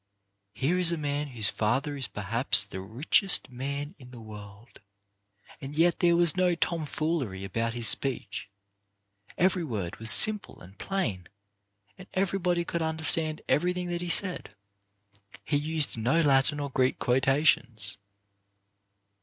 Here is a man whose father is perhaps the richest man in the world, and yet there was no "tom foolery" about his speech. Every word was simple and plain, and everybody could under stand everything that he said. He used no Latin or Greek quotations.